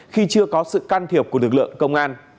khi chưa có sự can thiệp của lực lượng công an